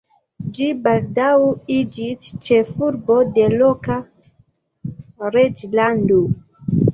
Ĝi baldaŭ iĝis ĉefurbo de loka reĝlando.